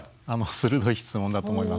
鋭い質問だと思います。